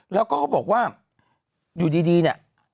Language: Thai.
แล้วก็เขาบอกว่าอยู่ดีเนี่ย